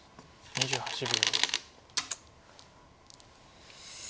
２８秒。